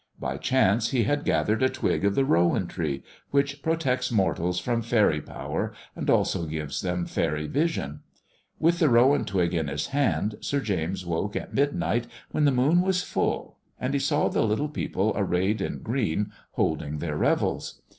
By chance he had gathered a twig of the rowan tree, which protects mortals from faery power, and also gives them faery vision. With the rowan twig in his hand. Sir James woke at midnight when the moon was full, and he saw the little people arrayed in green, holding their revels.